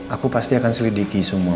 aku pasti akan selidiki semua